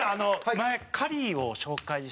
前カリーを紹介したのは。